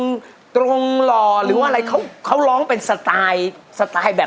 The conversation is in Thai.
ชอบมากเลยอ่ะ